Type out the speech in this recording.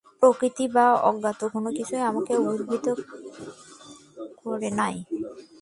প্রকৃতি বা অজ্ঞান কোন কিছুই আমাকে অভিভূত করে নাই।